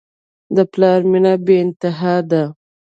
د پلار مینه بېانتها ده.